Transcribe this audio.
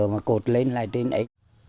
mà cột lên lại tên ấy